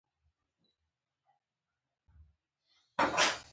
• لور د پلار د ویاړ شمعه وي.